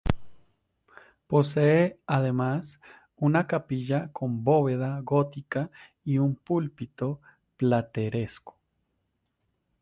Posee, además, una capilla con bóveda gótica y un púlpito plateresco.